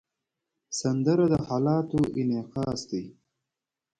سندره د حالاتو انعکاس دی